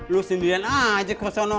lu sendirian aja ke sana